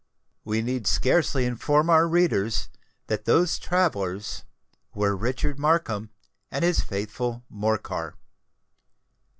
We need scarcely inform our readers that those travellers were Richard Markham and his faithful Morcar.